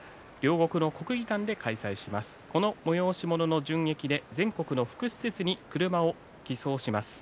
この催し物の純益で全国の福祉施設に車を寄贈します。